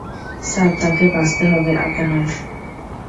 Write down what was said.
Sir, তাকে বাঁচাতে হবে আপনার।